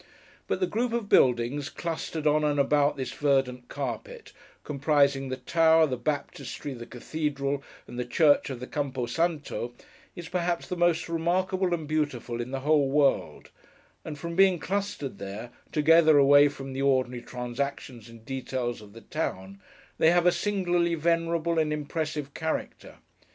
But, the group of buildings, clustered on and about this verdant carpet: comprising the Tower, the Baptistery, the Cathedral, and the Church of the Campo Santo: is perhaps the most remarkable and beautiful in the whole world; and from being clustered there, together, away from the ordinary transactions and details of the town, they have a singularly venerable and impressive character.